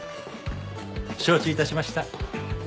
承知致しました。